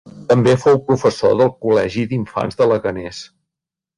També fou professor del col·legi d'infants de Leganés.